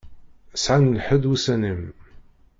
Sɛan lḥedd wussan-im.